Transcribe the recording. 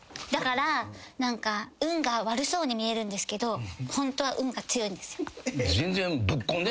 だから運が悪そうに見えるんですけどホントは運が強いんですよ。